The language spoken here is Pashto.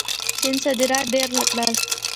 چین صادرات ډېر کړل.